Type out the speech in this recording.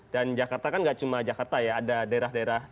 dan jakarta kan tidak cuma jakarta ya ada daerah daerah sekitar